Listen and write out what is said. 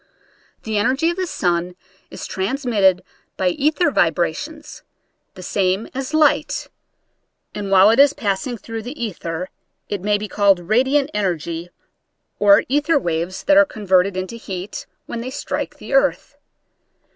The energy of the sun is transmitted by ether vibrations, the same as light, and while it is passing through the ether it may be called radiant energy, or ether waves that are converted into heat when they strike the earth.